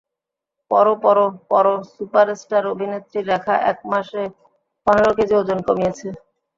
পড়ো পড়ো পড়ো সুপারস্টার অভিনেত্রী রেখা এক মাসে পনের কেজি ওজন কমিয়েছেন।